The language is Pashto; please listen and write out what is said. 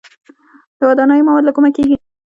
د ودانیو مواد له کومه کیږي؟